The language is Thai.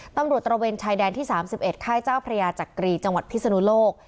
ตำรวจตรวจแรงที่๓๑ค่ายเจ้าพระยาจักรีจังหวัดพิษนุโลก